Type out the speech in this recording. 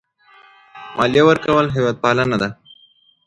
مالیه ورکول هېوادپالنه ده.